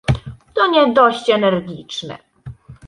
— To nie dość energiczne.